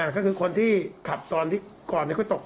ก็คือคนที่ขับตอนที่ก่อนเขาตก